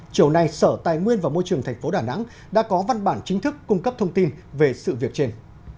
chiều nay sở tài nguyên và môi trường tp đà nẵng đã có văn bản chính thức cung cấp thông tin về sự việc trên